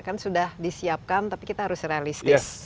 kan sudah disiapkan tapi kita harus realistis